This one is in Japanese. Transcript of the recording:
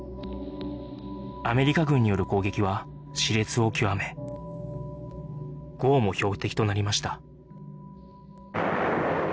アメリカ軍による攻撃は熾烈を極め壕も標的となりました